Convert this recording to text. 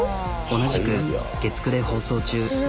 同じく月９で放送中。